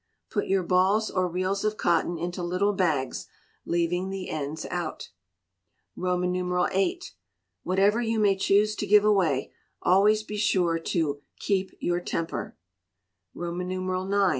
Put your balls or reels of cotton into little bags, leaving the ends out. viii. Whatever you may choose to give away, always be sure to keep your temper. ix.